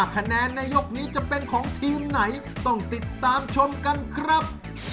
คะแนนในยกนี้จะเป็นของทีมไหนต้องติดตามชมกันครับ